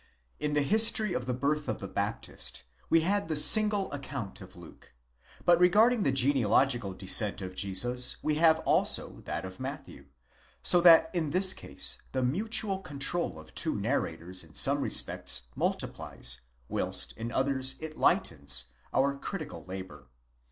In the history of the birth of the Baptist, we had the single account of Luke ; but regarding the genealogical descent of Jesus we have also that of Matthew ; so that in this case the mutual control of two narrators in some respects mul tiplies, whilst in others it lightens, our critical labour.